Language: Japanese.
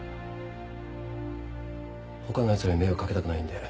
ほかのやつらに迷惑掛けたくないんで。